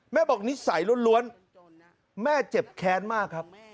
บอกนิสัยล้วนแม่เจ็บแค้นมากครับ